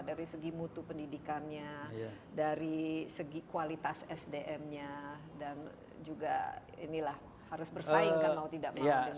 dari segi mutu pendidikannya dari segi kualitas sdm nya dan juga inilah harus bersaing kan mau tidak mau